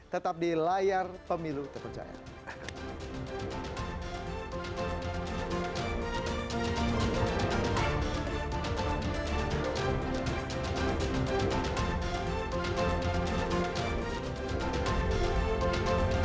tetap di layar pemilu terpercaya